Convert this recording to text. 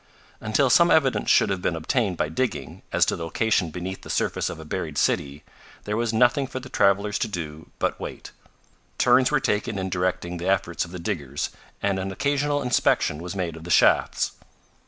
Until some evidence should have been obtained by digging, as to the location beneath the surface of a buried city, there was nothing for the travelers to do but wait. Turns were taken in directing the efforts of the diggers, and an occasional inspection was made of the shafts.